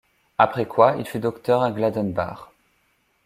Après quoi, il fut docteur à Gladenbach.